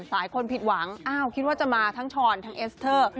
หลายคนผิดหวังอ้าวคิดว่าจะมาทั้งช้อนทั้งเอสเตอร์